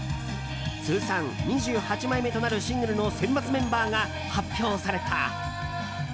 通算２８枚目となるシングルの選抜メンバーが発表された。